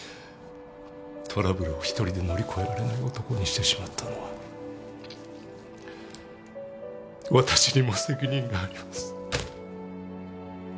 トラブルを一人で乗り越えられない男にしてしまったのは私にも責任があります